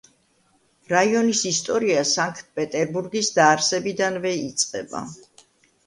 რაიონის ისტორია სანქტ-პეტერბურგის დაარსებიდანვე იწყება.